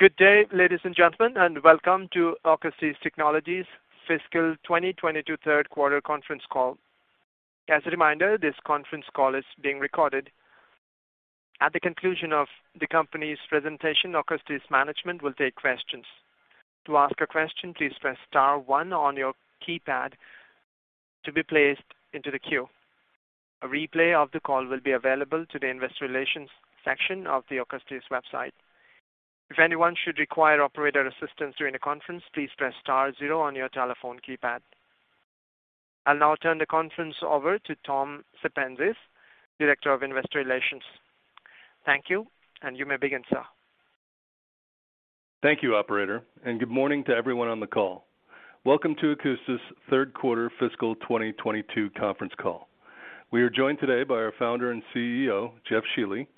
Good day, ladies and gentlemen, and welcome to Akoustis Technologies Fiscal 2022 Q3 Conference Call. As a reminder, this Conference Call is being recorded. At the conclusion of the company's presentation, Akoustis management will take questions. To ask a question, please press star one on your keypad to be placed into the queue. A replay of the call will be available to the investor relations section of the Akoustis website. If anyone should require operator assistance during the conference, please press star zero on your telephone keypad. I'll now turn the conference over to Tom Sepenzis, Director of Investor Relations. Thank you, and you may begin, sir. Thank you, operator, and good morning to everyone on the call. Welcome to Akoustis' Q3 2022 Conference Call. We are joined today by our founder and CEO, Jeff Shealy,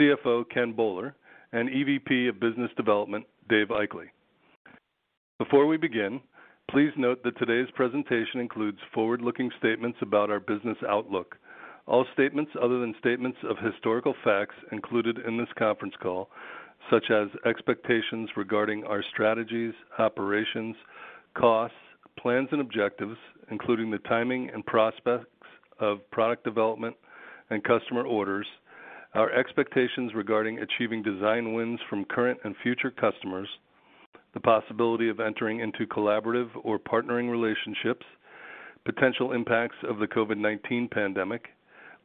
CFO, Ken Boller, and EVP of Business Development, Dave Aichele. Before we begin, please note that today's presentation includes forward-looking statements about our business outlook. All statements other than statements of historical facts included in this Conference Call, such as expectations regarding our strategies, operations, costs, plans, and objectives, including the timing and prospects of product development and customer orders, our expectations regarding achieving design wins from current and future customers, the possibility of entering into collaborative or partnering relationships, potential impacts of the COVID-19 pandemic,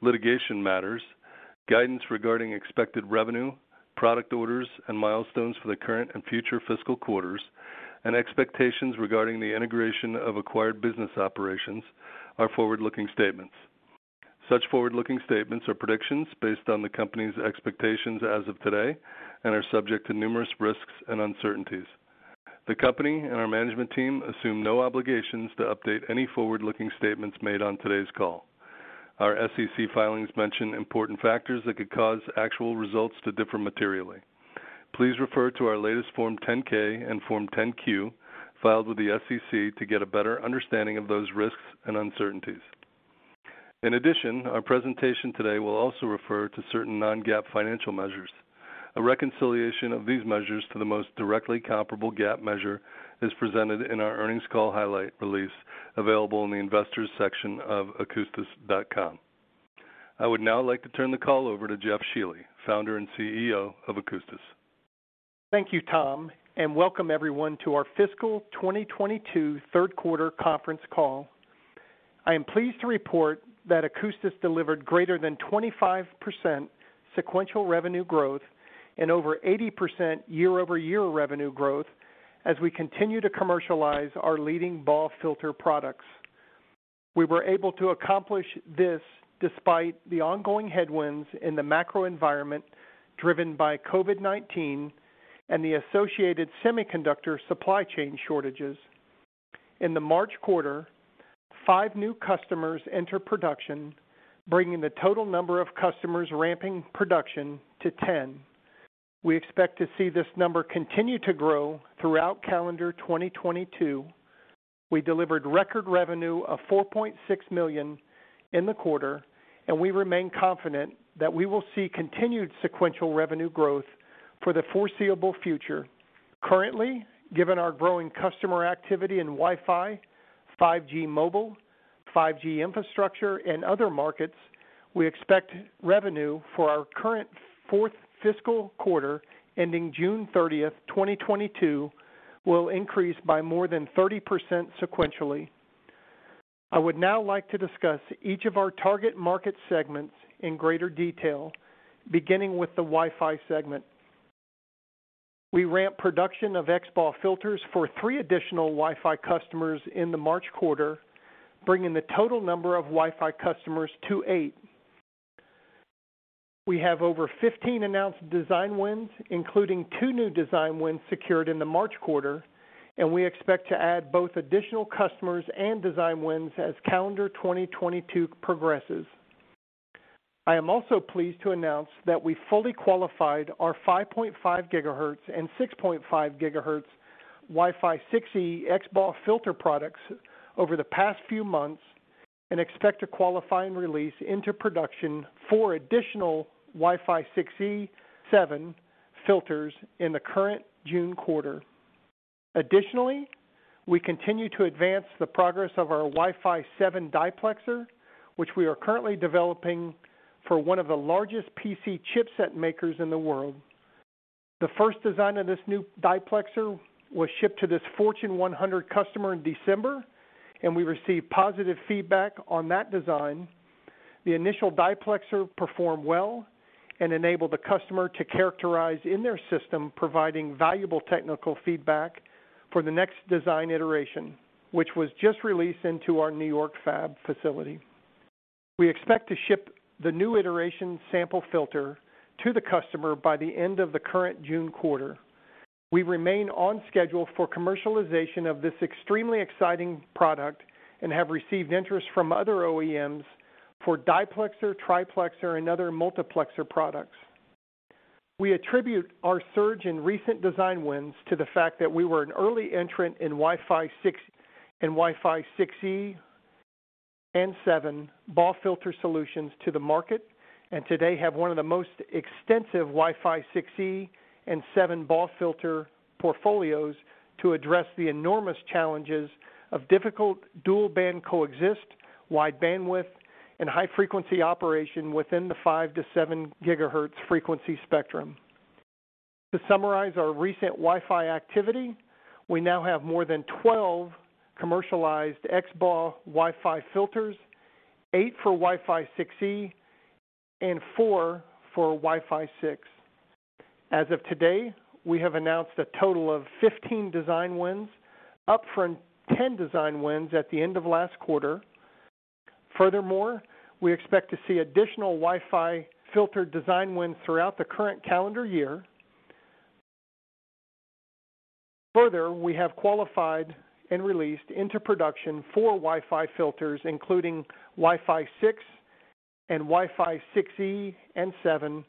litigation matters, guidance regarding expected revenue, product orders, and milestones for the current and future fiscal quarters, and expectations regarding the integration of acquired business operations are forward-looking statements. Such forward-looking statements are predictions based on the company's expectations as of today and are subject to numerous risks and uncertainties. The company and our management team assume no obligations to update any forward-looking statements made on today's call. Our SEC filings mention important factors that could cause actual results to differ materially. Please refer to our latest Form 10-K and Form 10-Q filed with the SEC to get a better understanding of those risks and uncertainties. In addition, our presentation today will also refer to certain non-GAAP financial measures. A reconciliation of these measures to the most directly comparable GAAP measure is presented in our earnings call highlight release available in the investors section of akoustis.com. I would now like to turn the call over to Jeff Shealy, founder and CEO of Akoustis. Thank you, Tom, and welcome everyone to our fiscal 2022 Q3 Conference Call. I am pleased to report that Akoustis delivered greater than 25% sequential revenue growth and over 80% year-over-year revenue growth as we continue to commercialize our leading BAW filter products. We were able to accomplish this despite the ongoing headwinds in the macro environment driven by COVID-19 and the associated semiconductor supply chain shortages. In the March quarter, 5 new customers enter production, bringing the total number of customers ramping production to 10. We expect to see this number continue to grow throughout calendar 2022. We delivered record revenue of $4.6 million in the quarter, and we remain confident that we will see continued sequential revenue growth for the foreseeable future. Currently, given our growing customer activity in Wi-Fi, 5G mobile, 5G infrastructure, and other markets, we expect revenue for our current fourth fiscal quarter ending June 30, 2022, will increase by more than 30% sequentially. I would now like to discuss each of our target market segments in greater detail, beginning with the Wi-Fi segment. We ramped production of XBAW filters for 3 additional Wi-Fi customers in the March quarter, bringing the total number of Wi-Fi customers to 8. We have over 15 announced design wins, including 2 new design wins secured in the March quarter, and we expect to add both additional customers and design wins as calendar 2022 progresses. I am also pleased to announce that we fully qualified our 5.5 gigahertz and 6.5 gigahertz Wi-Fi 6E XBAW filter products over the past few months and expect to qualify and release into production for additional Wi-Fi 6E 7 filters in the current June quarter. Additionally, we continue to advance the progress of our Wi-Fi 7 diplexer, which we are currently developing for one of the largest PC chipset makers in the world. The first design of this new diplexer was shipped to this Fortune 100 customer in December, and we received positive feedback on that design. The initial diplexer performed well and enabled the customer to characterize in their system, providing valuable technical feedback for the next design iteration, which was just released into our New York fab facility. We expect to ship the new iteration sample filter to the customer by the end of the current June quarter. We remain on schedule for commercialization of this extremely exciting product and have received interest from other OEMs for diplexer, triplexer, and other multiplexer products. We attribute our surge in recent design wins to the fact that we were an early entrant in Wi-Fi 6, in Wi-Fi 6E and 7 BAW filter solutions to the market, and today have one of the most extensive Wi-Fi 6E and 7 BAW filter portfolios to address the enormous challenges of difficult dual-band coexistence, wide bandwidth, and high-frequency operation within the 5-7 gigahertz frequency spectrum. To summarize our recent Wi-Fi activity, we now have more than 12 commercialized XBAW Wi-Fi filters, 8 for Wi-Fi 6E and 4 for Wi-Fi 6. As of today, we have announced a total of 15 design wins, up from 10 design wins at the end of last quarter. Furthermore, we expect to see additional Wi-Fi filter design wins throughout the current calendar year. Further, we have qualified and released into production 4 Wi-Fi filters, including Wi-Fi 6, Wi-Fi 6E, and Wi-Fi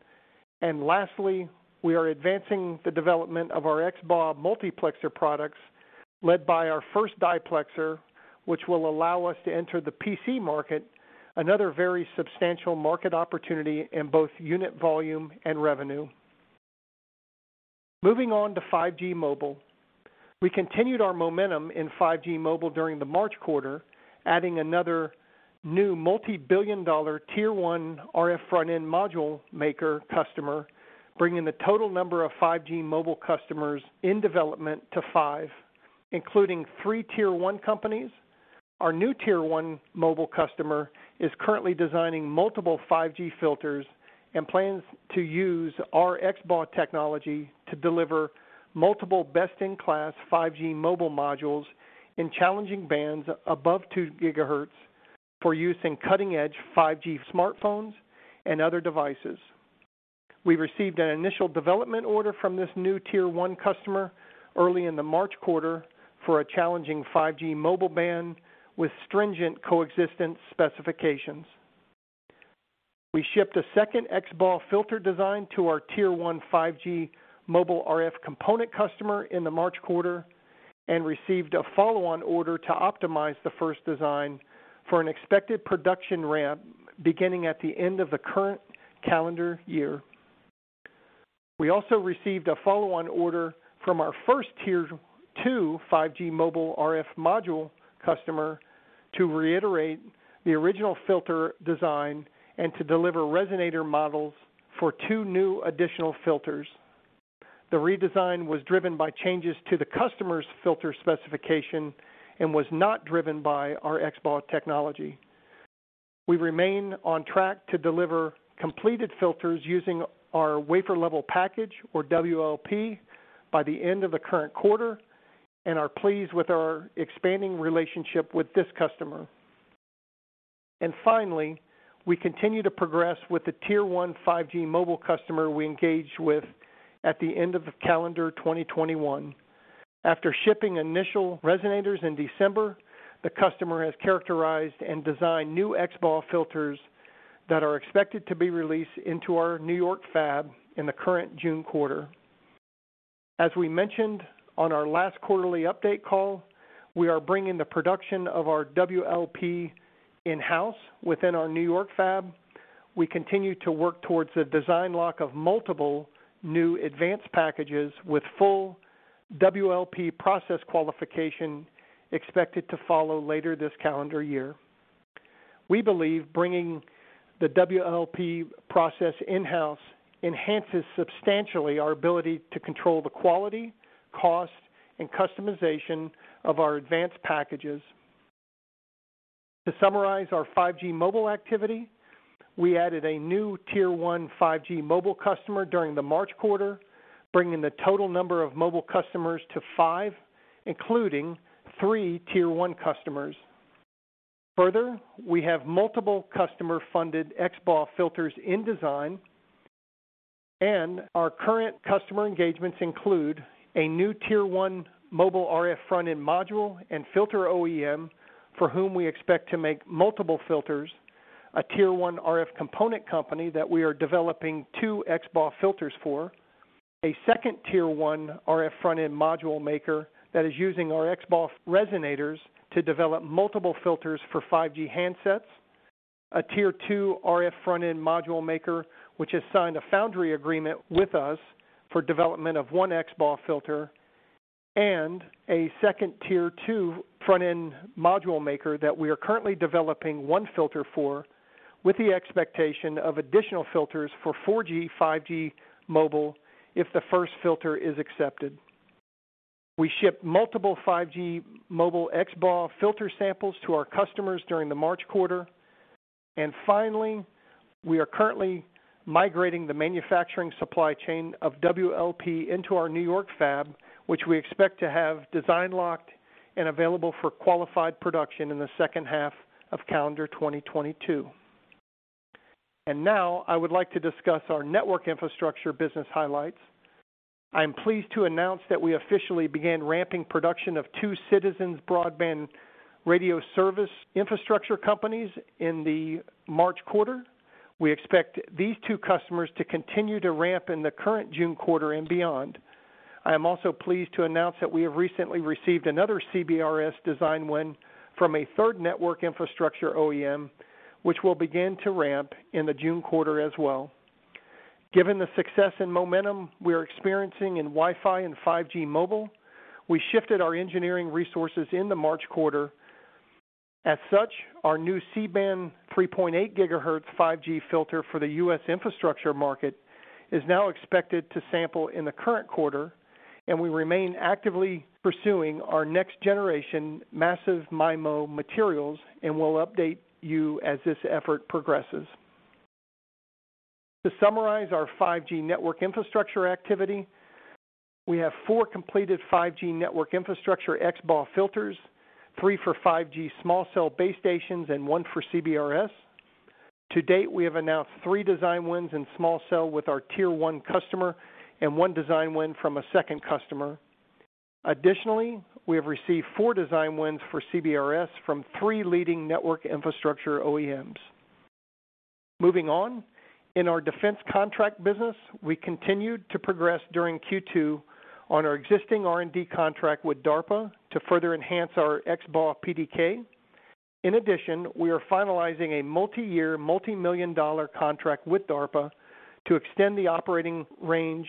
7. Lastly, we are advancing the development of our XBAW multiplexer products led by our first diplexer, which will allow us to enter the PC market, another very substantial market opportunity in both unit volume and revenue. Moving on to 5G mobile. We continued our momentum in 5G mobile during the March quarter, adding another new multi-billion-dollar tier one RF front-end module maker customer, bringing the total number of 5G mobile customers in development to 5, including 3 tier one companies. Our new tier one mobile customer is currently designing multiple 5G filters and plans to use our XBAW technology to deliver multiple best-in-class 5G mobile modules in challenging bands above 2 GHz for use in cutting-edge 5G smartphones and other devices. We received an initial development order from this new tier one customer early in the March quarter for a challenging 5G mobile band with stringent coexistence specifications. We shipped a second XBAW filter design to our tier one 5G mobile RF component customer in the March quarter and received a follow-on order to optimize the first design for an expected production ramp beginning at the end of the current calendar year. We also received a follow-on order from our first tier two 5G mobile RF module customer to reiterate the original filter design and to deliver resonator models for two new additional filters. The redesign was driven by changes to the customer's filter specification and was not driven by our XBAW technology. We remain on track to deliver completed filters using our wafer level package or WLP by the end of the current quarter and are pleased with our expanding relationship with this customer. Finally, we continue to progress with the tier one 5G mobile customer we engaged with at the end of calendar 2021. After shipping initial resonators in December, the customer has characterized and designed new XBAW filters that are expected to be released into our New York fab in the current June quarter. As we mentioned on our last quarterly update call, we are bringing the production of our WLP in-house within our New York fab. We continue to work towards the design lock of multiple new advanced packages with full WLP process qualification expected to follow later this calendar year. We believe bringing the WLP process in-house enhances substantially our ability to control the quality, cost, and customization of our advanced packages. To summarize our 5G mobile activity, we added a new tier one 5G mobile customer during the March quarter, bringing the total number of mobile customers to five, including three tier one customers. Further, we have multiple customer-funded XBAW filters in design, and our current customer engagements include a new tier one mobile RF front-end module and filter OEM for whom we expect to make multiple filters, a tier one RF component company that we are developing two XBAW filters for, a second tier one RF front-end module maker that is using our XBAW resonators to develop multiple filters for 5G handsets, a tier two RF front-end module maker which has signed a foundry agreement with us for development of one XBAW filter, and a second tier two front-end module maker that we are currently developing one filter for with the expectation of additional filters for 4G, 5G mobile if the first filter is accepted. We shipped multiple 5G mobile XBAW filter samples to our customers during the March quarter. Finally, we are currently migrating the manufacturing supply chain of WLP into our New York fab, which we expect to have design locked and available for qualified production in the second half of calendar 2022. Now I would like to discuss our network infrastructure business highlights. I am pleased to announce that we officially began ramping production of two citizens broadband radio service infrastructure companies in the March quarter. We expect these two customers to continue to ramp in the current June quarter and beyond. I am also pleased to announce that we have recently received another CBRS design win from a third network infrastructure OEM, which will begin to ramp in the June quarter as well. Given the success and momentum we are experiencing in Wi-Fi and 5G mobile, we shifted our engineering resources in the March quarter. As such, our new C-band 3.8 gigahertz 5G filter for the US. infrastructure market is now expected to sample in the current quarter, and we remain actively pursuing our next generation massive MIMO materials, and we'll update you as this effort progresses. To summarize our 5G network infrastructure activity, we have four completed 5G network infrastructure XBAW filters, three for 5G small cell base stations and one for CBRS. To date, we have announced three design wins in small cell with our tier one customer and one design win from a second customer. Additionally, we have received four design wins for CBRS from three leading network infrastructure OEMs. Moving on, in our defense contract business, we continued to progress during Q2 on our existing R&D contract with DARPA to further enhance our XBAW PDK. In addition, we are finalizing a multi-year, multi-million dollar contract with DARPA to extend the operating range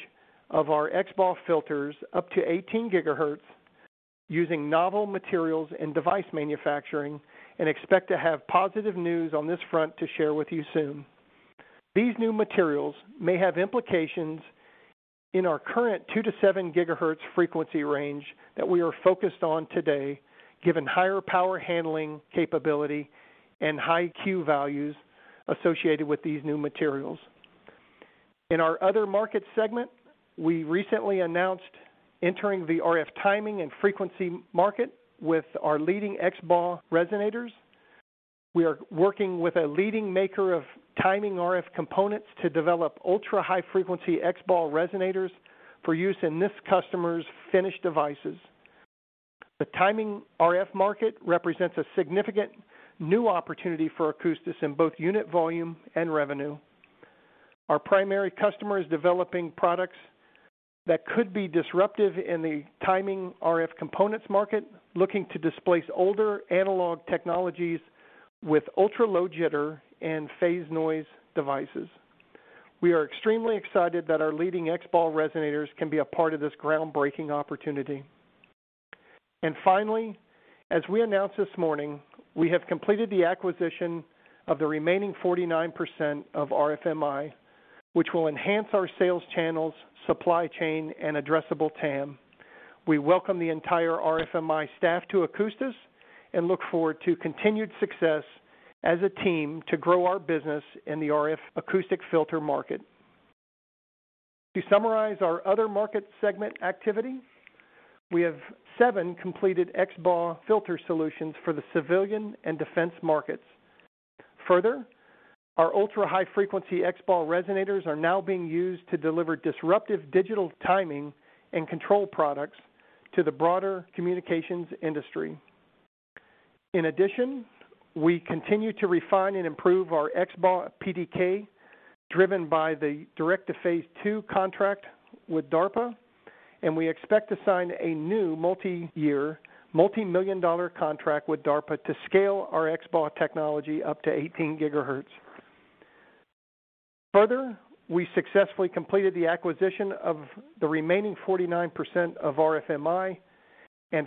of our XBAW filters up to 18 GHz using novel materials and device manufacturing, and expect to have positive news on this front to share with you soon. These new materials may have implications in our current 2-7 GHz frequency range that we are focused on today, given higher power-handling capability and high-Q values associated with these new materials. In our other market segment, we recently announced entering the RF timing and frequency market with our leading XBAW resonators. We are working with a leading maker of timing RF components to develop ultra-high frequency XBAW resonators for use in this customer's finished devices. The timing RF market represents a significant new opportunity for Akoustis in both unit volume and revenue. Our primary customer is developing products that could be disruptive in the timing RF components market, looking to displace older analog technologies with ultra-low jitter and phase noise devices. We are extremely excited that our leading XBA resonators can be a part of this groundbreaking opportunity. Finally, as we announced this morning, we have completed the acquisition of the remaining 49% of RFMi, which will enhance our sales channels, supply chain, and addressable TAM. We welcome the entire RFMi staff to Akoustis and look forward to continued success as a team to grow our business in the RF acoustic filter market. To summarize our other market segment activity, we have seven completed XBA filter solutions for the civilian and defense markets. Further, our ultra-high frequency XBA resonators are now being used to deliver disruptive digital timing and control products to the broader communications industry. In addition, we continue to refine and improve our XBAW PDK, driven by the direct to phase 2 contract with DARPA, and we expect to sign a new multi-year, multi-million dollar contract with DARPA to scale our XBAW technology up to 18 GHz. Further, we successfully completed the acquisition of the remaining 49% of RFMi.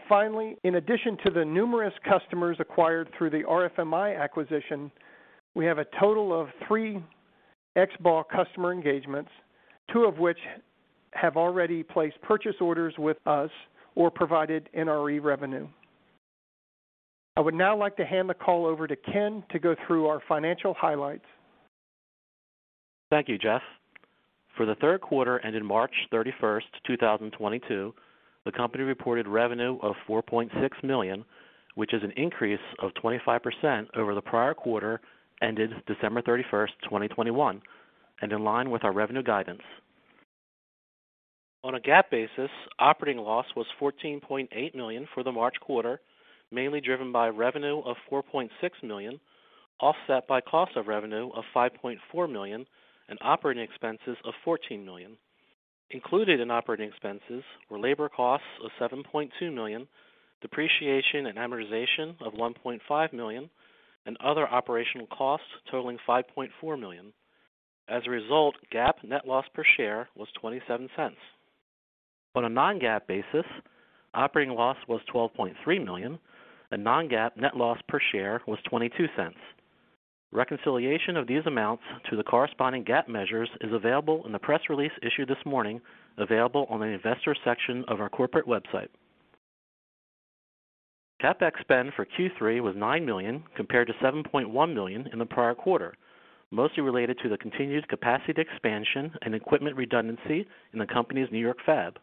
Finally, in addition to the numerous customers acquired through the RFMi acquisition, we have a total of three XBAW customer engagements, two of which have already placed purchase orders with us or provided NRE revenue. I would now like to hand the call over to Ken to go through our financial highlights. Thank you, Jeff. For the Q3 ending March 31, 2022, the company reported revenue of $4.6 million, which is an increase of 25% over the prior quarter ending December 31, 2021, and in line with our revenue guidance. On a GAAP basis, operating loss was $14.8 million for the March quarter, mainly driven by revenue of $4.6 million, offset by cost of revenue of $5.4 million and operating expenses of $14 million. Included in operating expenses were labor costs of $7.2 million, depreciation and amortization of $1.5 million, and other operational costs totaling $5.4 million. As a result, GAAP net loss per share was $0.27. On a non-GAAP basis, operating loss was $12.3 million and non-GAAP net loss per share was $0.22. Reconciliation of these amounts to the corresponding GAAP measures is available in the press release issued this morning, available on the investor section of our corporate website. CapEx spend for Q3 was $9 million, compared to $7.1 million in the prior quarter, mostly related to the continued capacity expansion and equipment redundancy in the company's New York fab.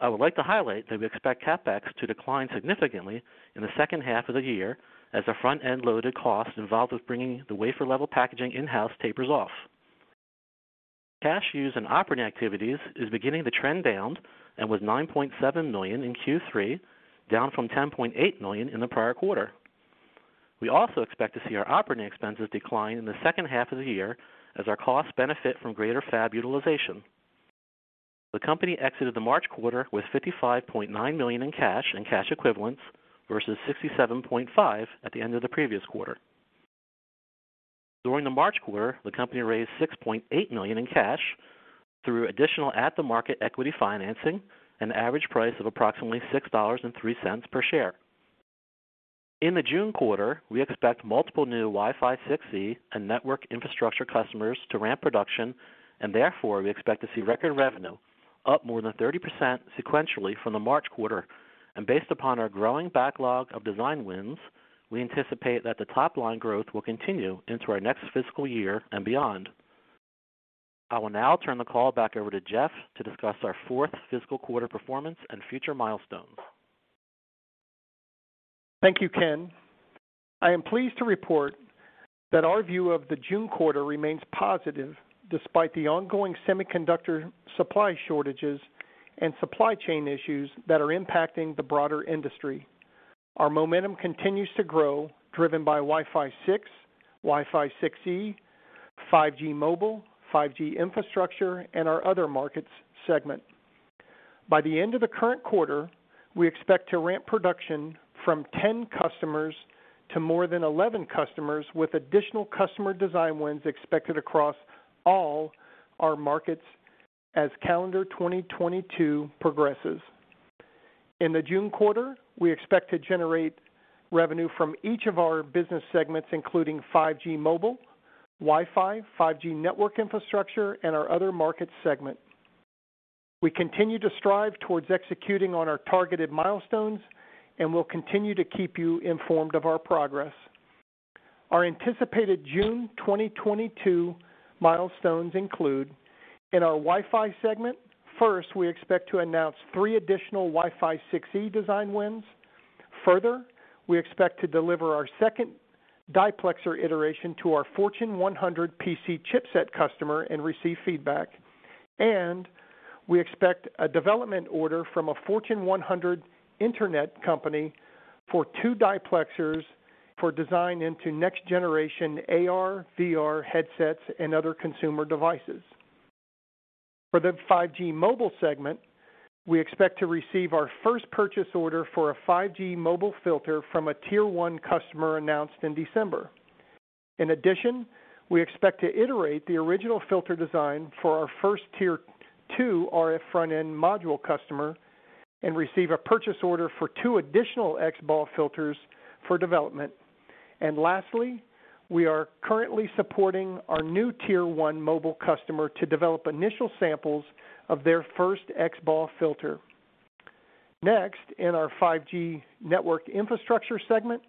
I would like to highlight that we expect CapEx to decline significantly in the second half of the year as the front-end loaded cost involved with bringing the wafer level packaging in-house tapers off. Cash use and operating activities is beginning to trend down and was $9.7 million in Q3, down from $10.8 million in the prior quarter. We also expect to see our operating expenses decline in the second half of the year as our costs benefit from greater fab utilization. The company exited the March quarter with $55.9 million in cash and cash equivalents versus $67.5 million at the end of the previous quarter. During the March quarter, the company raised $6.8 million in cash through additional at-the-market equity financing, an average price of approximately $6.03 per share. In the June quarter, we expect multiple new Wi-Fi 6E and network infrastructure customers to ramp production, and therefore we expect to see record revenue up more than 30% sequentially from the March quarter. Based upon our growing backlog of design wins, we anticipate that the top-line growth will continue into our next fiscal year and beyond. I will now turn the call back over to Jeff to discuss our Q4 performance and future milestones. Thank you, Ken. I am pleased to report that our view of the June quarter remains positive despite the ongoing semiconductor supply shortages and supply chain issues that are impacting the broader industry. Our momentum continues to grow, driven by Wi-Fi 6, Wi-Fi 6E, 5G mobile, 5G infrastructure, and our other markets segment. By the end of the current quarter, we expect to ramp production from 10 customers to more than 11 customers with additional customer design wins expected across all our markets as calendar 2022 progresses. In the June quarter, we expect to generate revenue from each of our business segments, including 5G mobile, Wi-Fi, 5G network infrastructure, and our other market segment. We continue to strive towards executing on our targeted milestones, and we'll continue to keep you informed of our progress. Our anticipated June 2022 milestones include in our Wi-Fi segment, first, we expect to announce 3 additional Wi-Fi 6E design wins. Further, we expect to deliver our second diplexer iteration to our Fortune 100 PC chipset customer and receive feedback. We expect a development order from a Fortune 100 internet company for 2 diplexers for design into next generation AR/VR headsets and other consumer devices. For the 5G mobile segment, we expect to receive our first purchase order for a 5G mobile filter from a tier one customer announced in December. In addition, we expect to iterate the original filter design for our first tier two RF front-end module customer and receive a purchase order for 2 additional XBAW filters for development. Lastly, we are currently supporting our new tier one mobile customer to develop initial samples of their first XBAW filter. Next, in our 5G network infrastructure segment,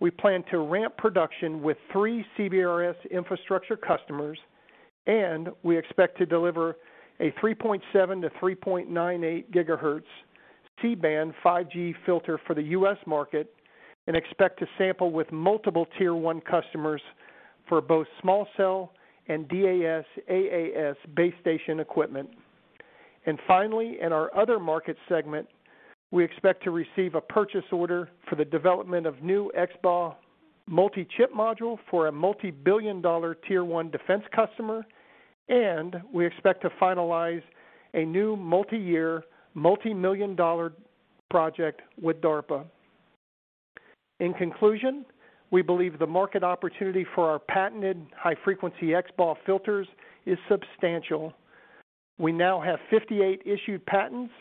we plan to ramp production with three CBRS infrastructure customers, and we expect to deliver a 3.7-3.98 GHz C-band 5G filter for the US. market and expect to sample with multiple tier one customers for both small cell and DAS/AAS base station equipment. Finally, in our other market segment, we expect to receive a purchase order for the development of new XBAW multi-chip module for a multi-billion-dollar tier one defense customer, and we expect to finalize a new multi-year, multi-million-dollar project with DARPA. In conclusion, we believe the market opportunity for our patented high-frequency XBAW filters is substantial. We now have 58 issued patents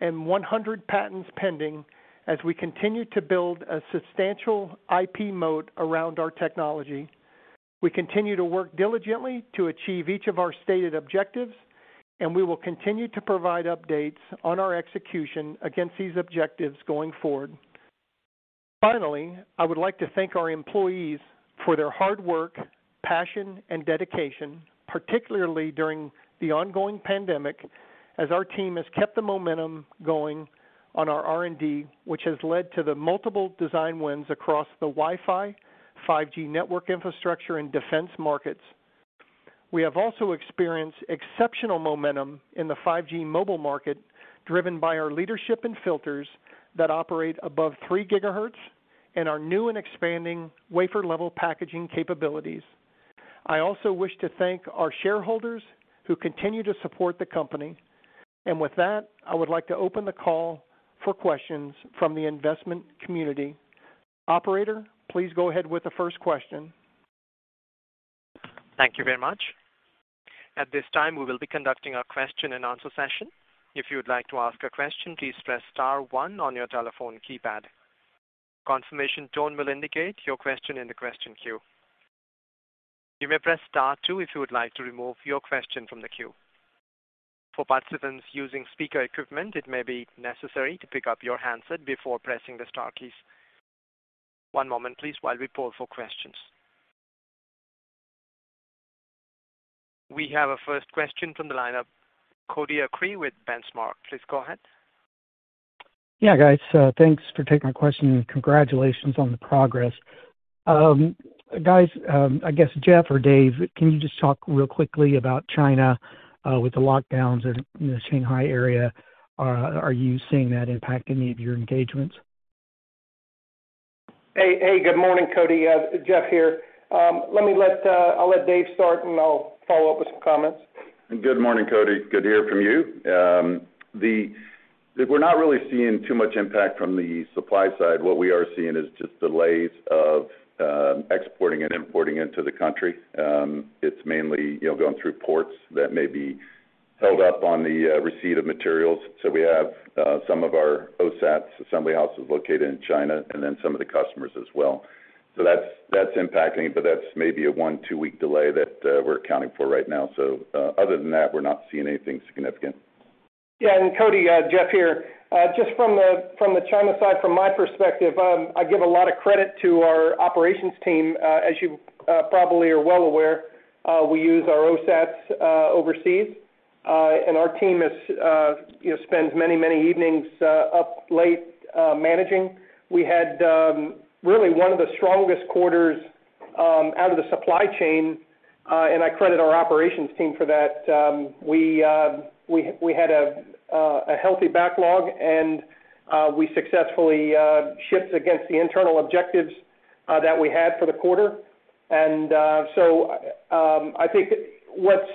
and 100 patents pending as we continue to build a substantial IP moat around our technology. We continue to work diligently to achieve each of our stated objectives, and we will continue to provide updates on our execution against these objectives going forward. Finally, I would like to thank our employees for their hard work, passion and dedication, particularly during the ongoing pandemic as our team has kept the momentum going on our R&D, which has led to the multiple design wins across the Wi-Fi, 5G network infrastructure and defense markets. We have also experienced exceptional momentum in the 5G mobile market, driven by our leadership in filters that operate above 3 gigahertz and our new and expanding wafer level packaging capabilities. I also wish to thank our shareholders who continue to support the company. With that, I would like to open the call for questions from the investment community. Operator, please go ahead with the first question. Thank you very much. At this time, we will be conducting a question and answer session. If you would like to ask a question, please press star one on your telephone keypad. Confirmation tone will indicate your question in the question queue. You may press star two if you would like to remove your question from the queue. For participants using speaker equipment, it may be necessary to pick up your handset before pressing the star keys. One moment please while we poll for questions. We have a first question from the lineup. Cody Acree with Benchmark. Please go ahead. Thanks for taking my question, and congratulations on the progress. Guys, I guess Jeff or Dave, can you just talk real quickly about China with the lockdowns in the Shanghai area? Are you seeing that impact any of your engagements? Hey, good morning, Cody. Jeff here. I'll let Dave start, and I'll follow-up with some comments. Good morning, Cody. Good to hear from you. We're not really seeing too much impact from the supply side. What we are seeing is just delays of exporting and importing into the country. It's mainly, you know, going through ports that may be held up on the receipt of materials. We have some of our OSATs, assembly houses located in China, and then some of the customers as well. That's impacting, but that's maybe a 1-2-week delay that we're accounting for right now. Other than that, we're not seeing anything significant. Cody, Jeff here. Just from the China side, from my perspective, I give a lot of credit to our operations team. As you probably are well aware, we use our OSATs overseas. Our team spends many evenings up late managing. We had really one of the strongest quarters out of the supply chain, and I credit our operations team for that. We had a healthy backlog, and we successfully shipped against the internal objectives that we had for the quarter. I think what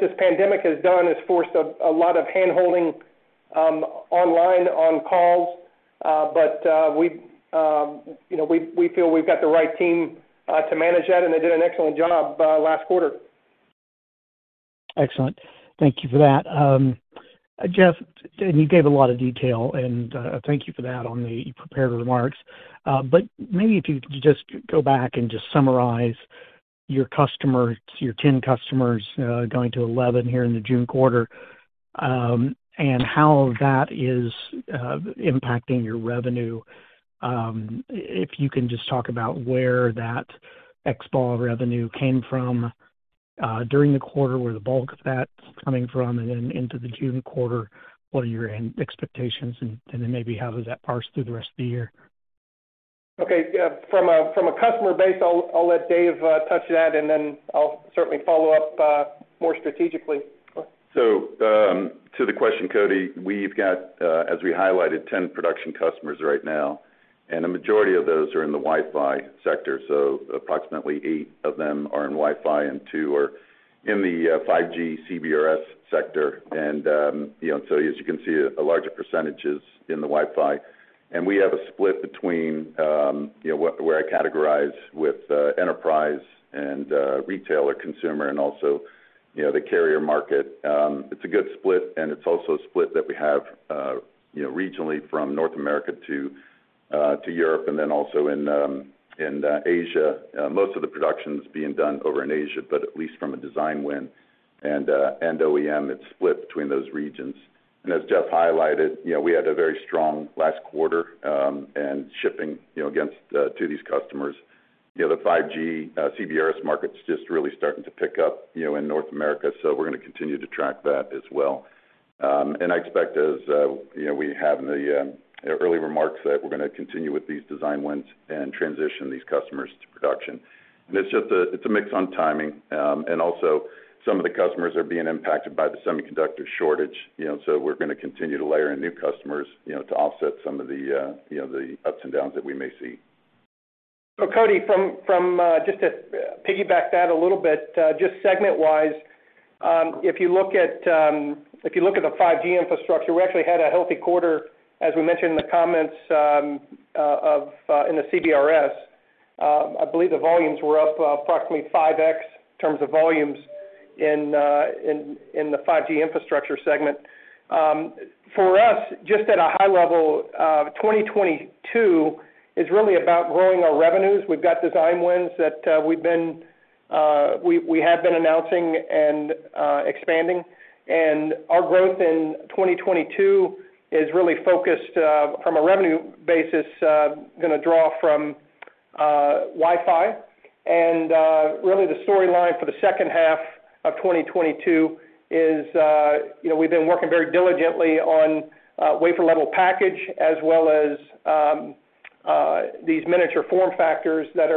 this pandemic has done is forced a lot of handholding online on calls. You know, we feel we've got the right team to manage that, and they did an excellent job last quarter. Excellent. Thank you for that. Jeff, and you gave a lot of detail, and thank you for that on the prepared remarks. Maybe if you could just go back and just summarize your customers, your 10 customers, going to 11 here in the June quarter, and how that is impacting your revenue. If you can just talk about where that XBAW revenue came from during the quarter, where the bulk of that's coming from, and then into the June quarter, what are your end expectations, and then maybe how does that parse through the rest of the year? Okay. Yeah. From a customer base, I'll let Dave touch that, and then I'll certainly follow up more strategically. To the question, Cody, we've got, as we highlighted, 10 production customers right now, and a majority of those are in the Wi-Fi sector. Approximately 8 of them are in Wi-Fi, and 2 are in the 5G CBRS sector. You know, as you can see, a larger percentage is in the Wi-Fi. We have a split between, you know, where I categorize with enterprise and retail or consumer and also, you know, the carrier market. It's a good split, and it's also a split that we have, you know, regionally from North America to Europe and then also in Asia. Most of the production is being done over in Asia, but at least from a design win and OEM, it's split between those regions. As Jeff highlighted, you know, we had a very strong last quarter, and shipping, you know, against to these customers. You know, the 5G CBRS market's just really starting to pick up, you know, in North America, so we're gonna continue to track that as well. I expect as, you know, we have in the early remarks that we're gonna continue with these design wins and transition these customers to production. It's just a mix on timing. Also some of the customers are being impacted by the semiconductor shortage, you know. We're gonna continue to layer in new customers, you know, to offset some of the, you know, the ups and downs that we may see. Cody, from just to piggyback that a little bit, just segment-wise, if you look at the 5G infrastructure, we actually had a healthy quarter, as we mentioned in the comments, in the CBRS. I believe the volumes were up approximately 5X in terms of volumes in the 5G infrastructure segment. For us, just at a high-level, 2022 is really about growing our revenues. We've got design wins that we've been announcing and expanding. Our growth in 2022 is really focused, from a revenue basis, gonna draw from Wi-Fi. Really the storyline for the second half of 2022 is, you know, we've been working very diligently on wafer-level package as well as these miniature form factors that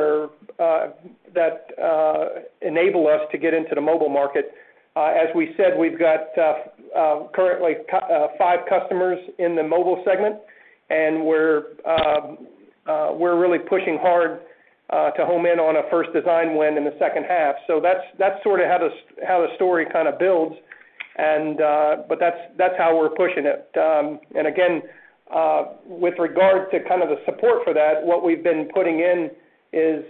enable us to get into the mobile market. As we said, we've got currently 5 customers in the mobile segment, and we're really pushing hard to home in on a first design win in the second half. That's sort of how the story kind of builds, but that's how we're pushing it. Again, with regard to kind of the support for that, what we've been putting in is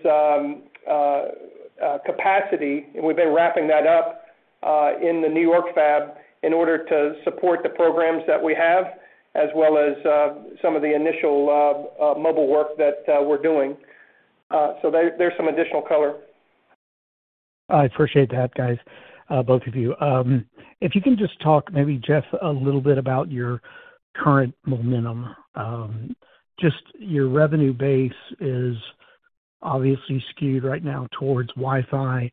capacity, and we've been wrapping that up in the New York fab in order to support the programs that we have as well as some of the initial mobile work that we're doing. There's some additional color. I appreciate that, guys, both of you. If you can just talk, maybe Jeff, a little bit about your current momentum. Just your revenue base is obviously skewed right now towards Wi-Fi.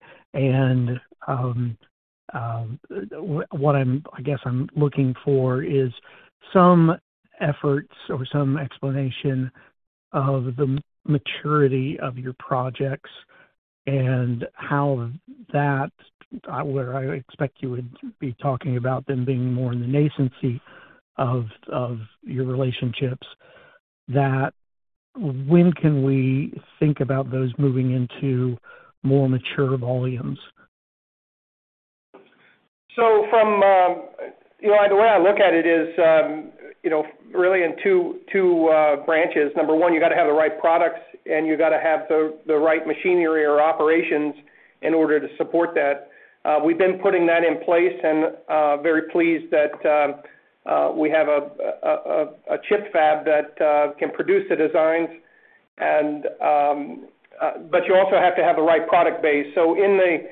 What I'm, I guess, looking for is some efforts or some explanation of the maturity of your projects and how that, where I expect you would be talking about them being more in the nascency of your relationships, that when can we think about those moving into more mature volumes? From you know, the way I look at it is, you know, really in two branches. Number one, you gotta have the right products and you gotta have the right machinery or operations in order to support that. We've been putting that in place and very pleased that we have a chip fab that can produce the designs, but you also have to have the right product base. In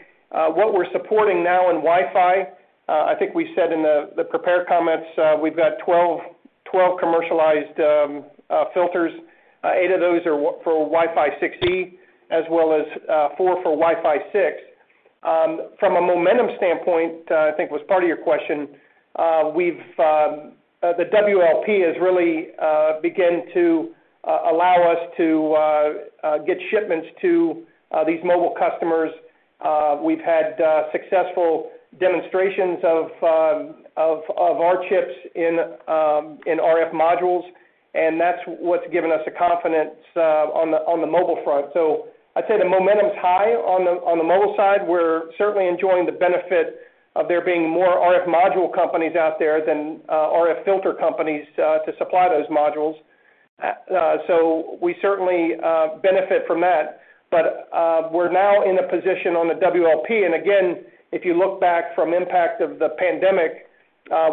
what we're supporting now in Wi-Fi, I think we said in the prepared comments, we've got 12 commercialized filters. Eight of those are for Wi-Fi 6E, as well as four for Wi-Fi 6. From a momentum standpoint, I think that was part of your question. The WLP has really began to allow us to get shipments to these mobile customers. We've had successful demonstrations of our chips in RF modules, and that's what's given us the confidence on the mobile front. I'd say the momentum's high on the mobile side. We're certainly enjoying the benefit of there being more RF module companies out there than RF filter companies to supply those modules. We certainly benefit from that. We're now in a position on the WLP, and again, if you look back from impact of the pandemic,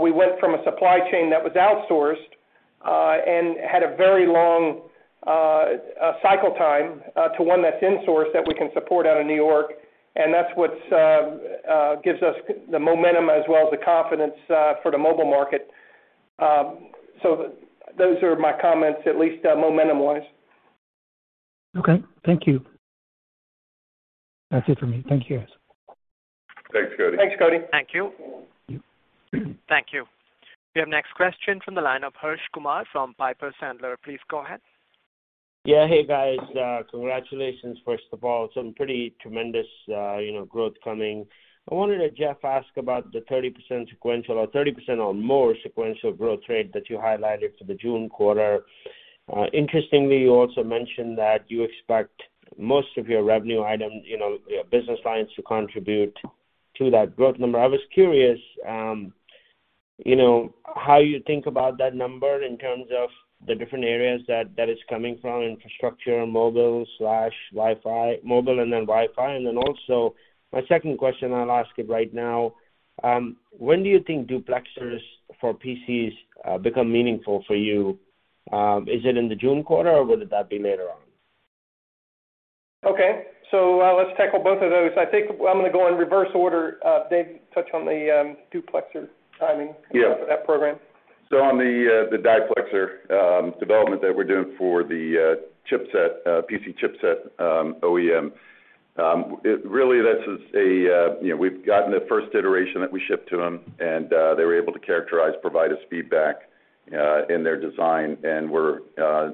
we went from a supply chain that was outsourced, and had a very long cycle-time, to one that's insourced, that we can support out of New York, and that's what gives us the momentum as well as the confidence for the mobile market. Those are my comments, at least momentum wise. Okay. Thank you. That's it for me. Thank you, guys. Thanks, Cody. Thanks, Cody. Thank you. Yep. Thank you. We have next question from the line of Harsh Kumar from Piper Sandler. Please go ahead. Yeah. Hey, guys. Congratulations, first of all, some pretty tremendous, you know, growth coming. I wanted to, Jeff, ask about the 30% or more sequential growth rate that you highlighted for the June quarter. Interestingly, you also mentioned that you expect most of your revenue items, you know, your business lines to contribute to that growth number. I was curious, you know, how you think about that number in terms of the different areas that is coming from, infrastructure, mobile/Wi-Fi, mobile, and then Wi-Fi. Then also my second question, I'll ask it right now, when do you think duplexers for PCs become meaningful for you? Is it in the June quarter, or would that be later on? Okay. Let's tackle both of those. I think I'm gonna go in reverse order. Dave, touch on the duplexer timing. Yeah for that program. On the diplexer development that we're doing for the chipset PC chipset OEM, it really this is a you know we've gotten the first iteration that we shipped to them, and they were able to characterize provide us feedback in their design. We're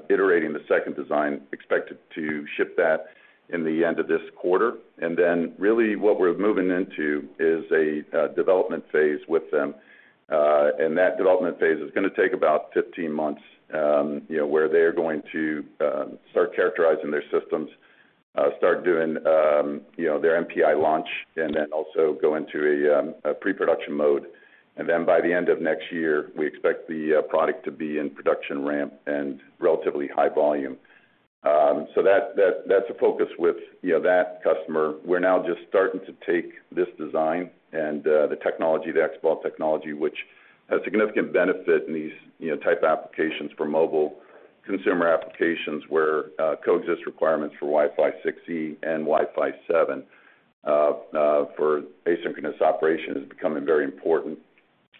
iterating the second design, expected to ship that in the end of this quarter. Really what we're moving into is a development phase with them. That development phase is gonna take about 15 months, you know, where they're going to start characterizing their systems, start doing you know their NPI launch and then also go into a pre-production mode. By the end of next year, we expect the product to be in production ramp and relatively high-volume. That's a focus with, you know, that customer. We're now just starting to take this design and the technology, the XBAW technology, which has significant benefit in these, you know, type applications for mobile consumer applications where coexistence requirements for Wi-Fi 6E and Wi-Fi 7 for asynchronous operation is becoming very important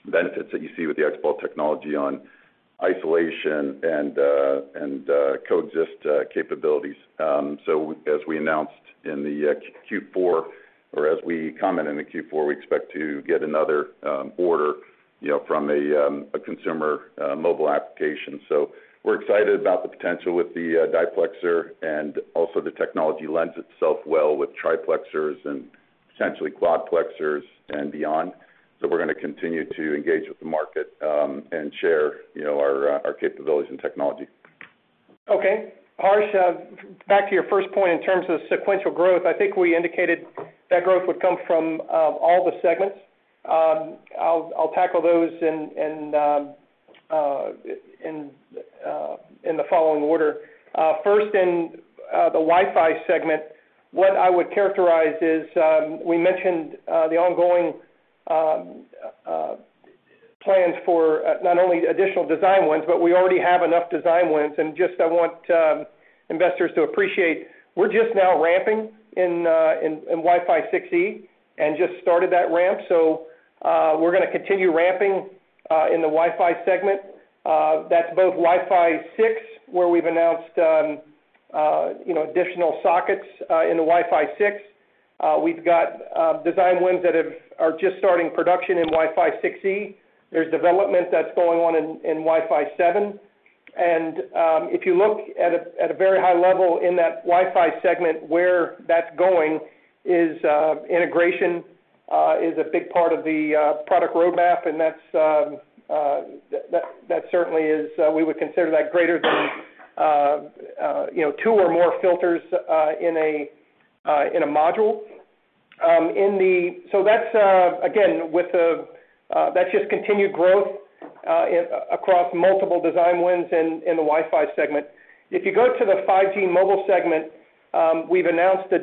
benefits that you see with the XBAW technology on isolation and coexistence capabilities. As we announced in the Q4, or as we commented in the Q4, we expect to get another order, you know, from a consumer mobile application. We're excited about the potential with the diplexer and also the technology lends itself well with triplexers and essentially quadplexers and beyond. We're gonna continue to engage with the market, and share, you know, our capabilities and technology. Okay. Harsh, back to your first point in terms of sequential growth. I think we indicated that growth would come from all the segments. I'll tackle those in the following order. First in the Wi-Fi segment, what I would characterize is we mentioned the ongoing plans for not only additional design wins, but we already have enough design wins. And just I want investors to appreciate, we're just now ramping in Wi-Fi 6E and just started that ramp, so we're gonna continue ramping in the Wi-Fi segment. That's both Wi-Fi 6, where we've announced you know, additional sockets in the Wi-Fi 6. We've got design wins that are just starting production in Wi-Fi 6E. There's development that's going on in Wi-Fi 7. If you look at a very high-level in that Wi-Fi segment, where that's going is integration is a big part of the product roadmap, and that's certainly we would consider that greater than you know two or more filters in a module. That's again with the that's just continued growth across multiple design wins in the Wi-Fi segment. If you go to the 5G mobile segment, we've announced the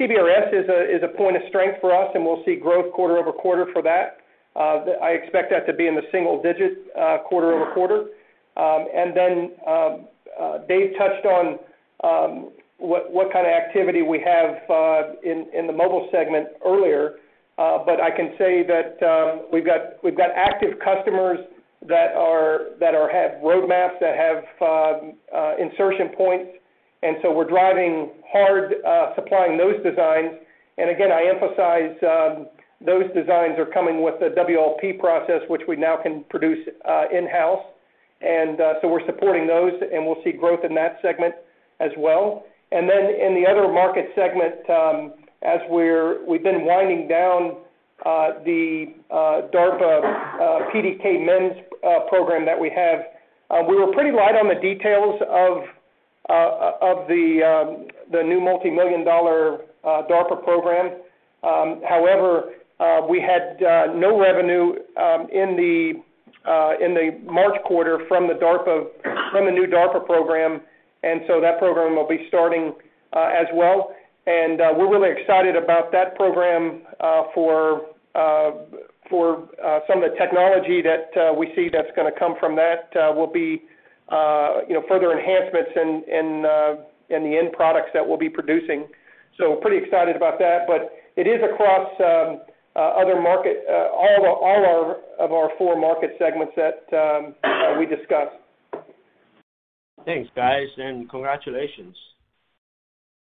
CBRS is a point of strength for us, and we'll see growth quarter-over-quarter for that. I expect that to be in the single-digits quarter-over-quarter. Dave touched on what kind of activity we have in the mobile segment earlier. But I can say that we've got active customers that have roadmaps that have insertion points, and so we're driving hard supplying those designs. Again, I emphasize those designs are coming with the WLP process, which we now can produce in-house. We're supporting those, and we'll see growth in that segment as well. In the other market segment, as we've been winding down the DARPA PDK MEMS program that we have, we were pretty light on the details of the new multimillion-dollar DARPA program. However, we had no revenue in the March quarter from the new DARPA program. That program will be starting as well. We're really excited about that program for some of the technology that we see that's gonna come from that, you know, further enhancements in the end products that we'll be producing. Pretty excited about that. It is across all of our four market segments that we discussed. Thanks, guys, and congratulations.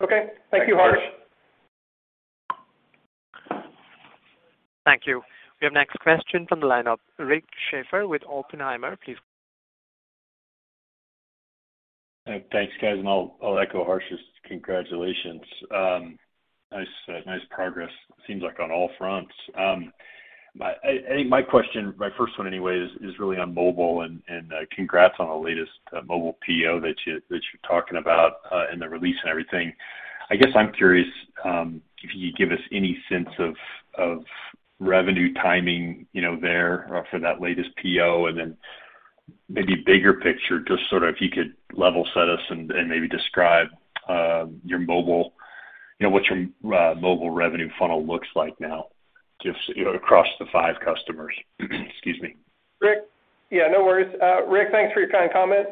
Okay. Thank you, Harsh. Thank you, Harsh. Thank you. We have next question from the lineup, Rick Schafer with Oppenheimer. Please go ahead. Thanks, guys, and I'll echo Harsh's congratulations. Nice progress it seems like on all fronts. I think my question, my first one anyway, is really on mobile, and congrats on the latest mobile PO that you're talking about and the release and everything. I guess I'm curious if you could give us any sense of revenue timing, you know, there or for that latest PO, and then maybe bigger picture, just sort of if you could level set us and maybe describe your mobile, you know, what your mobile revenue funnel looks like now, just, you know, across the five customers. Excuse me. Rick. Yeah, no worries. Rick, thanks for your kind comment.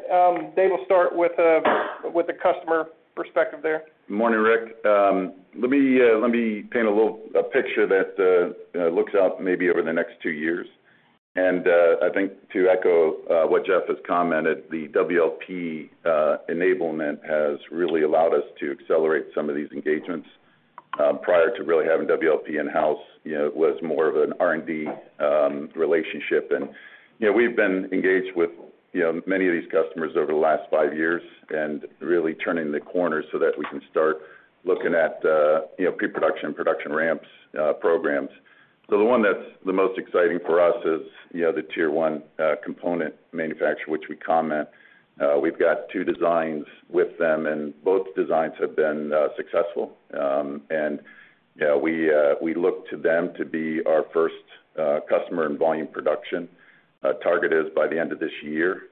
Dave will start with a customer perspective there. Morning, Rick. Let me paint a little picture that looks out maybe over the next 2 years. I think to echo what Jeff has commented, the WLP enablement has really allowed us to accelerate some of these engagements. Prior to really having WLP in-house, you know, it was more of an R&D relationship. You know, we've been engaged with, you know, many of these customers over the last 5 years and really turning the corner so that we can start looking at, you know, pre-production and production ramps programs. The one that's the most exciting for us is, you know, the Tier 1 component manufacturer, which we comment. We've got 2 designs with them, and both designs have been successful. You know, we look to them to be our first customer in volume production. Target is by the end of this year,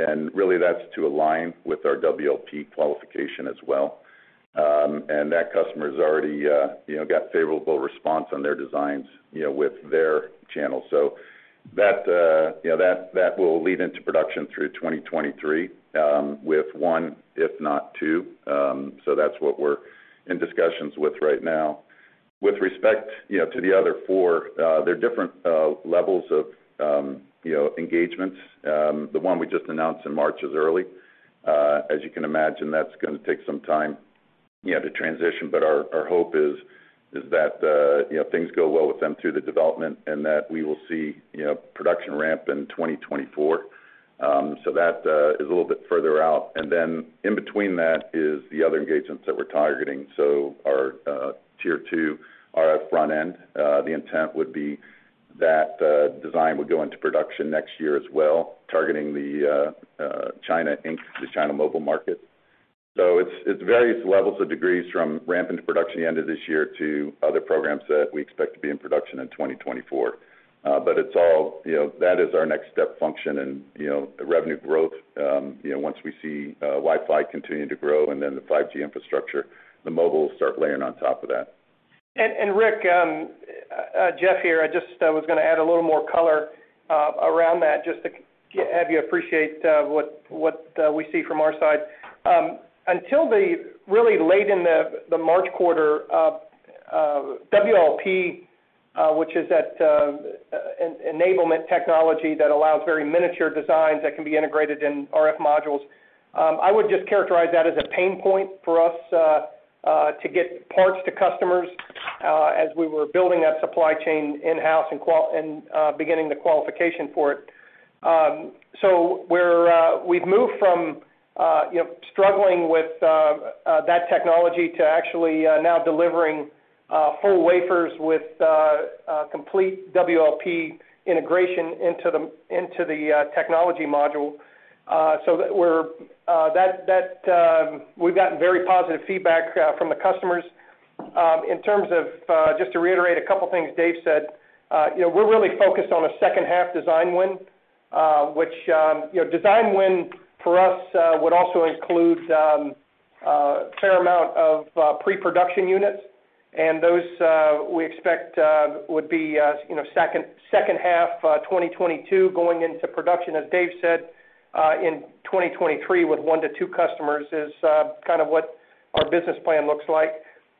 and really that's to align with our WLP qualification as well. That customer's already, you know, got favorable response on their designs, you know, with their channel. That, you know, will lead into production through 2023, with one, if not two. That's what we're in discussions with right now. With respect, you know, to the other four, there are different levels of, you know, engagements. The one we just announced in March is early. As you can imagine, that's gonna take some time, you know, to transition, but our hope is that you know, things go well with them through the development and that we will see, you know, production ramp in 2024. That is a little bit further out. In between that is the other engagements that we're targeting. Our tier two RF front end, the intent would be that design would go into production next year as well, targeting the China Inc., the China mobile market. It's various levels of degrees from ramp into production the end of this year to other programs that we expect to be in production in 2024. It's all, you know, that is our next step function and, you know, revenue growth, you know, once we see Wi-Fi continuing to grow and then the 5G infrastructure, the mobile will start layering on top of that. Jeff here, I just was gonna add a little more color around that, just to have you appreciate what we see from our side. Until really late in the March quarter, WLP, which is that enablement technology that allows very miniature designs that can be integrated in RF modules, I would just characterize that as a pain point for us to get parts to customers, as we were building that supply chain in-house and beginning the qualification for it. We've moved from you know, struggling with that technology to actually now delivering whole wafers with complete WLP integration into the technology module. We've gotten very positive feedback from the customers. In terms of just to reiterate a couple things Dave said, you know, we're really focused on a second half design win, which, you know, design win for us would also include a fair amount of pre-production units. Those we expect would be second half 2022, going into production, as Dave said, in 2023 with 1-2 customers, is kind of what our business plan looks like.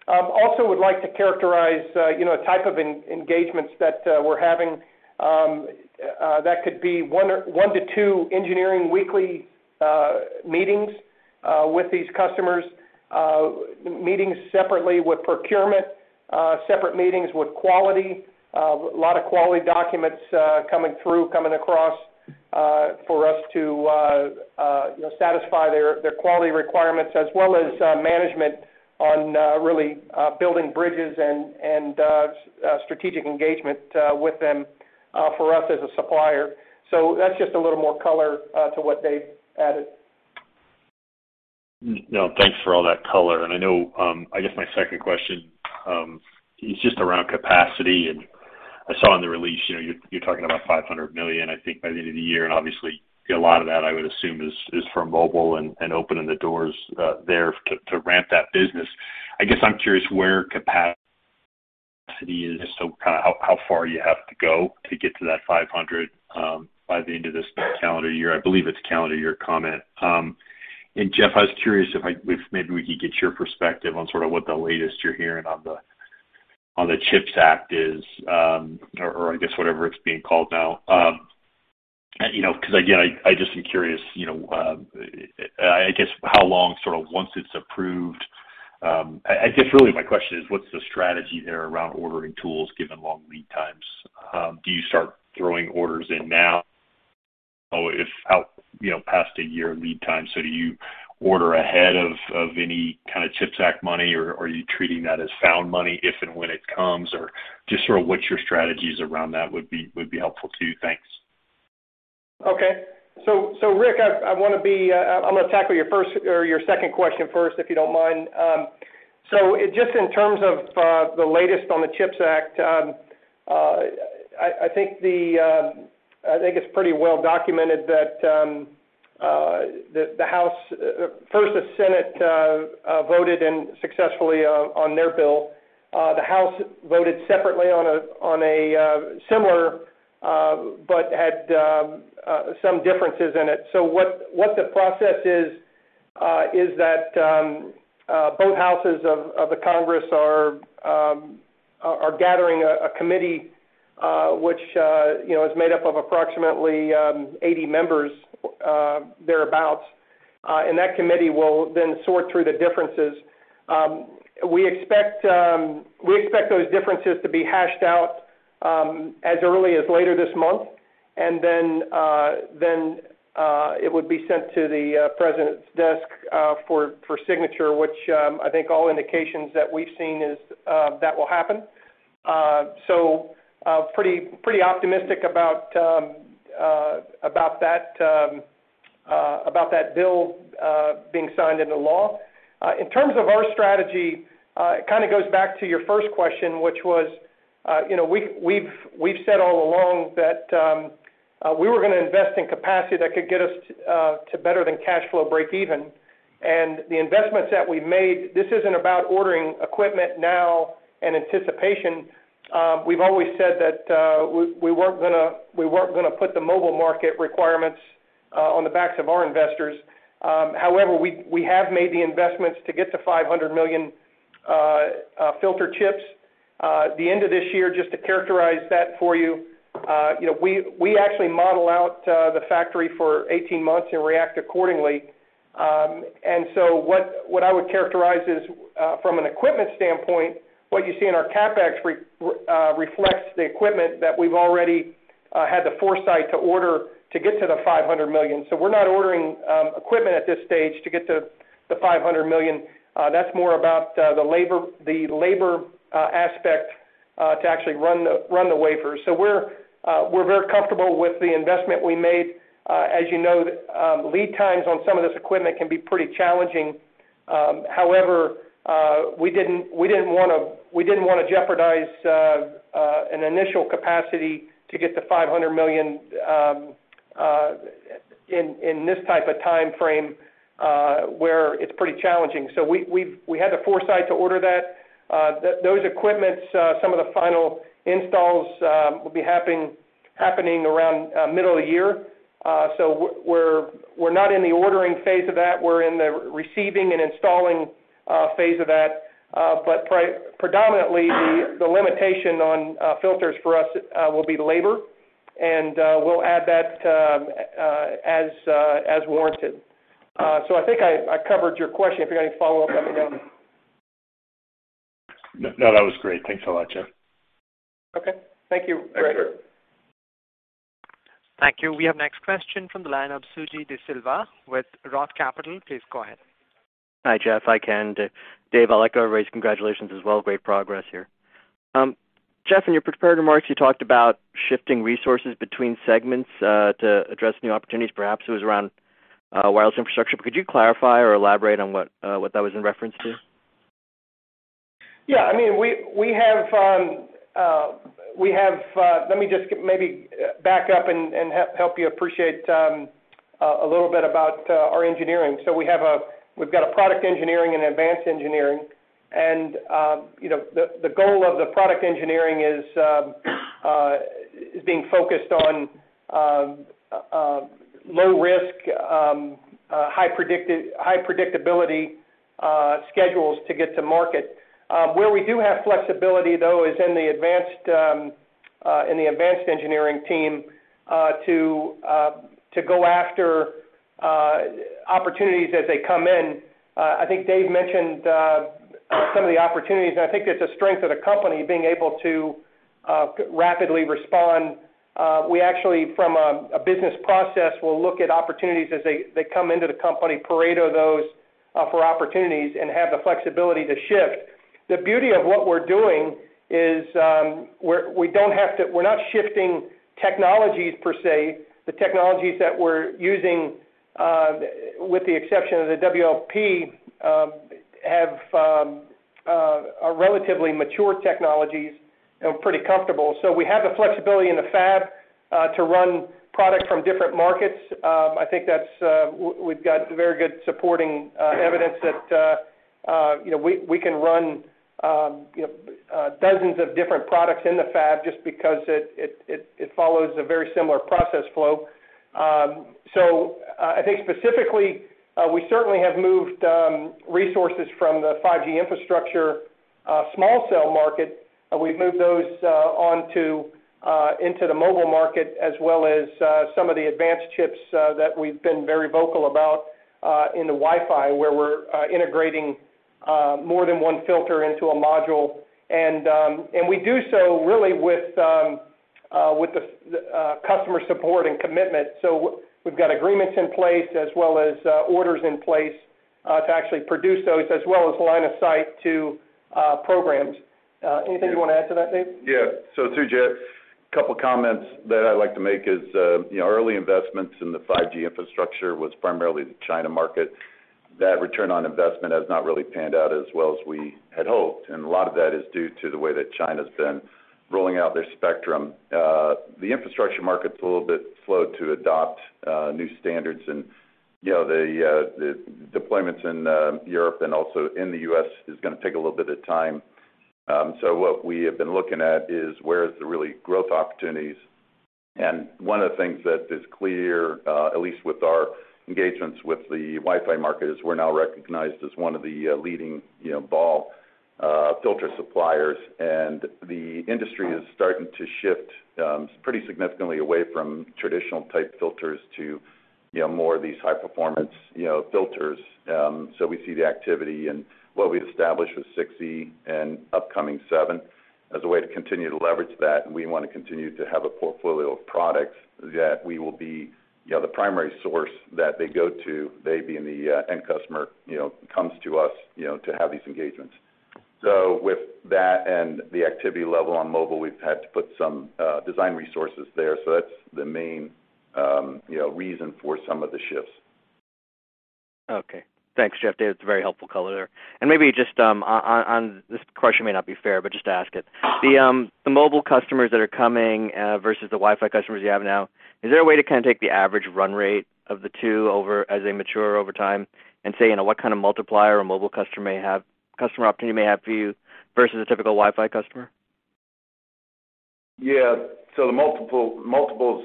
Also would like to characterize, you know, type of engagements that we're having, that could be one to two engineering weekly meetings with these customers, meetings separately with procurement, separate meetings with quality, lot of quality documents coming through, coming across, for us to, you know, satisfy their quality requirements as well as management on really building bridges and strategic engagement with them for us as a supplier. That's just a little more color to what Dave added. No, thanks for all that color. I know, I guess my second question is just around capacity. I saw in the release, you know, you're talking about $500 million, I think, by the end of the year. Obviously, a lot of that, I would assume, is from mobile and opening the doors there to ramp that business. I'm curious where capacity is, so kind of how far you have to go to get to that 500 by the end of this calendar year. I believe it's calendar year comment. Jeff, I was curious if maybe we could get your perspective on sort of what the latest you're hearing on the CHIPS Act is, or I guess, whatever it's being called now. You know, 'cause again, I just am curious, you know, I guess how long sort of once it's approved, I guess really my question is what's the strategy there around ordering tools given long lead times? Do you start throwing orders in now if it's, you know, past a year lead time? Do you order ahead of any kind of CHIPS Act money, or are you treating that as found money if and when it comes? Just sort of what your strategies around that would be helpful too. Thanks. Okay. Rick, I wanna be, I'm gonna tackle your first or your second question first, if you don't mind. Just in terms of the latest on the CHIPS Act, I think it's pretty well-documented that first the Senate voted successfully on their bill. The House voted separately on a similar but had some differences in it. What the process is is that both houses of the Congress are gathering a committee which you know is made up of approximately 80 members thereabout. That committee will then sort through the differences. We expect those differences to be hashed out as early as later this month. Then it would be sent to the president's desk for signature, which I think all indications that we've seen is that will happen. So pretty optimistic about that bill being signed into law. In terms of our strategy, it kinda goes back to your first question, which was, you know, we've said all along that we were gonna invest in capacity that could get us to better than cash flow breakeven. The investments that we made, this isn't about ordering equipment now in anticipation. We've always said that we weren't gonna put the mobile market requirements on the backs of our investors. However, we have made the investments to get to 500 million filter chips. The end of this year, just to characterize that for you know, we actually model out the factory for 18 months and react accordingly. What I would characterize is, from an equipment standpoint, what you see in our CapEx reflects the equipment that we've already had the foresight to order to get to the 500 million. We're not ordering equipment at this stage to get to the 500 million. That's more about the labor aspect to actually run the wafers. We're very comfortable with the investment we made. As you know, lead times on some of this equipment can be pretty challenging. However, we didn't want to jeopardize an initial capacity to get to $500 million in this type of timeframe, where it's pretty challenging. We had the foresight to order that. Those equipment, some of the final installs, will be happening around middle of the year. We're not in the ordering phase of that, we're in the receiving and installing phase of that. Predominantly, the limitation on filters for us will be labor, and we'll add that as warranted. I think I covered your question. If you've got any follow-up, let me know. No, no, that was great. Thanks a lot, Jeff. Okay. Thank you, Rick Schafer. Sure. Thank you. We have next question from the line of Suji Desilva with Roth Capital. Please go ahead. Hi, Jeff. Hi, Ken. Dave, I'd like to extend congratulations as well. Great progress here. Jeff, in your prepared remarks, you talked about shifting resources between segments to address new opportunities. Perhaps it was around wireless infrastructure. Could you clarify or elaborate on what that was in reference to? Yeah, I mean, we have. Let me just maybe back up and help you appreciate a little bit about our engineering. We've got a product engineering and advanced engineering and, you know, the goal of the product engineering is being focused on low-risk, high-predictability schedules to get to market. Where we do have flexibility though is in the advanced engineering team to go after opportunities as they come in. I think Dave mentioned some of the opportunities, and I think that's a strength of the company, being able to rapidly respond. We actually from a business process will look at opportunities as they come into the company, Pareto those opportunities and have the flexibility to shift. The beauty of what we're doing is, we're not shifting technologies per se. The technologies that we're using, with the exception of the WLP, are relatively mature technologies and pretty comfortable. So we have the flexibility in the fab to run product from different markets. I think that's. We've got very good supporting evidence that, you know, we can run, you know, dozens of different products in the fab just because it follows a very similar process flow. I think specifically, we certainly have moved resources from the 5G infrastructure small cell market. We've moved those into the mobile market as well as some of the advanced chips that we've been very vocal about in the Wi-Fi, where we're integrating more than one filter into a module. We do so really with the customer support and commitment. We've got agreements in place as well as orders in place to actually produce those, as well as line of sight to programs. Anything you wanna add to that, Dave? Suji, couple of comments that I'd like to make is early investments in the 5G infrastructure was primarily the China market. That return on investment has not really panned out as well as we had hoped, and a lot of that is due to the way that China's been rolling out their spectrum. The infrastructure market's a little bit slow to adopt new standards. The deployments in Europe and also in the US. is gonna take a little bit of time. What we have been looking at is where is the real growth opportunities. One of the things that is clear, at least with our engagements with the Wi-Fi market, is we're now recognized as one of the leading BAW filter suppliers. The industry is starting to shift pretty significantly away from traditional type filters to, you know, more of these high performance, you know, filters. We see the activity and what we've established with 6E and upcoming 7 as a way to continue to leverage that, and we wanna continue to have a portfolio of products that we will be, you know, the primary source that they go to, they being the end customer, you know, comes to us, you know, to have these engagements. With that and the activity level on mobile, we've had to put some design resources there. That's the main, you know, reason for some of the shifts. Okay. Thanks, Jeff, Dave. It's a very helpful color there. Maybe just on this question may not be fair, but just ask it. The mobile customers that are coming versus the Wi-Fi customers you have now, is there a way to kinda take the average run rate of the two over as they mature over time and say, you know, what kind of multiplier a customer opportunity may have for you versus a typical Wi-Fi customer? Yeah. The multiple's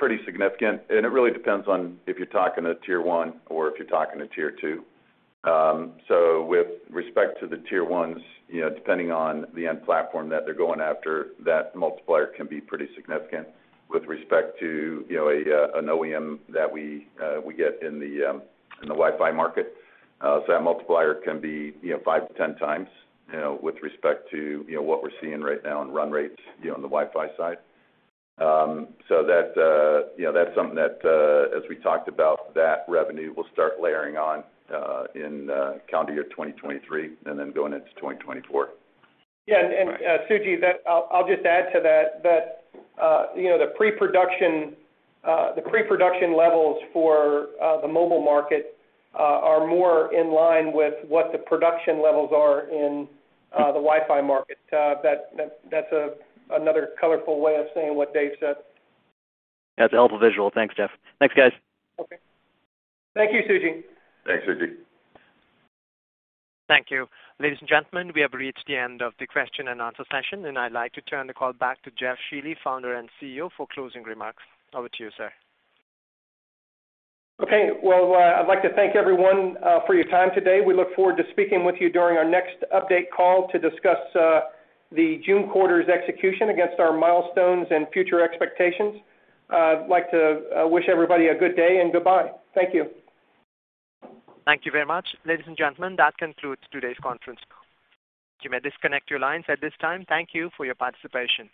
pretty significant, and it really depends on if you're talking a tier one or if you're talking a tier two. With respect to the tier ones, you know, depending on the end platform that they're going after, that multiplier can be pretty significant. With respect to an OEM that we get in the Wi-Fi market, that multiplier can be 5x-10x with respect to what we're seeing right now in run rates on the Wi-Fi side. That's something that, as we talked about, that revenue will start layering on in calendar year 2023 and then going into 2024. Yeah. Suji, I'll just add to that, you know, the pre-production levels for the mobile market are more in line with what the production levels are in the Wi-Fi market. That's another colorful way of saying what Dave said. That's a helpful visual. Thanks, Jeff. Thanks, guys. Okay. Thank you, Suji. Thanks, Suji. Thank you. Ladies and gentlemen, we have reached the end of the question and answer session, and I'd like to turn the call back to Jeff Shealy, Founder and CEO, for closing remarks. Over to you, sir. Okay. Well, I'd like to thank everyone for your time today. We look forward to speaking with you during our next update call to discuss the June quarter's execution against our milestones and future expectations. I'd like to wish everybody a good day and goodbye. Thank you. Thank you very much. Ladies and gentlemen, that concludes today's conference. You may disconnect your lines at this time. Thank you for your participation.